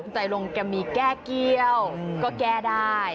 ใจลงแกมีแก้เกี้ยวก็แก้ได้